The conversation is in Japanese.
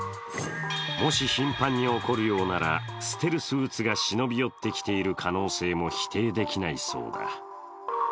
もし頻繁に起こるようなら、ステルスうつが忍び寄ってきている可能性も否定できないそうだ。